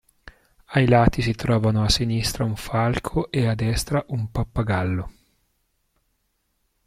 Ai lati si trovano a sinistra un falco e a destra un pappagallo.